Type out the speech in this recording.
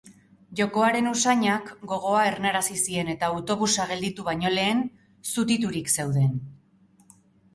Jokoaren usainak gogoa ernarazi zien eta autobusa gelditu baino lehen zutiturik zeuden.